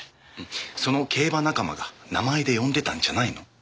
その競馬仲間が名前で呼んでたんじゃないの？